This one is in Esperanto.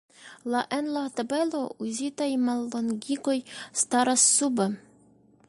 La en la tabelo uzitaj mallongigoj staras sube.